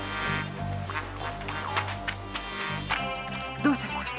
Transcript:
どうされました？